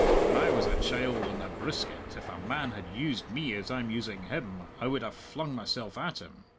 When I was a child on the brisket, if a man had used me as I'm using him, I would have flung mysell at him.